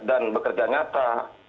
dan bekerja nyata